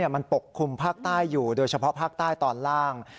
มันปกคลุมภาคใต้อยู่โดยเฉพาะภาคใต้ตอนล่าง